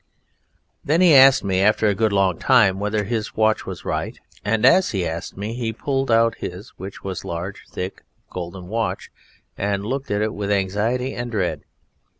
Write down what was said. Then he asked me, after a good long time, whether his watch was right, and as he asked me he pulled out his, which was a large, thick, golden watch, and looked at it with anxiety and dread.